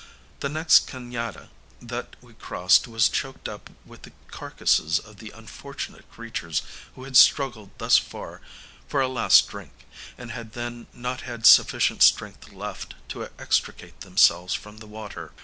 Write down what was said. The next ca├▒ada that we crossed was choked up with the carcases of the unfortunate creatures who had struggled thus far for a last drink, and had then not had sufficient strength left to extricate themselves from the water.